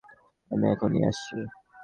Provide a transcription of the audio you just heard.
আমি এখনই আসছি।